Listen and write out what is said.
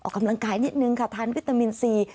ออกกำลังกายนิดนึงค่ะทานวิตามินซี